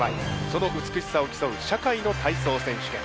その美しさを競う「社会の体操選手権」。